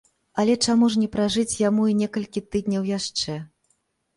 Але чаму ж не пражыць яму й некалькі тыдняў яшчэ?